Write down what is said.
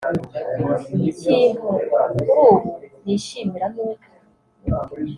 “ikintu kuri ubu nishimira ni uko